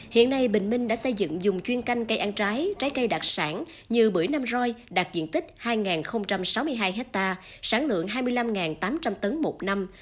hiện nay bình minh đã xây dựng dùng chuyên canh cây ăn trái trái cây đặc sản như bưởi nam roi đạt diện tích hai sáu mươi hai hectare sản lượng hai mươi năm tám trăm linh tấn một năm